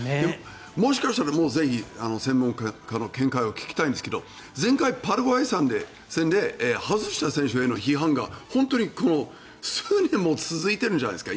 もしかしたら専門家の見解を聞きたいんですが前回、パラグアイ戦で外した選手への批判が、本当に数年も続いているじゃないですか。